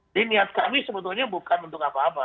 ini niat kami sebetulnya bukan untuk apa apa